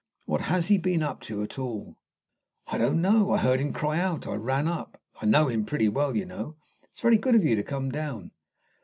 What has he been up to at all?" "I don't know. I heard him cry out. I ran up. I know him pretty well, you know. It is very good of you to come down."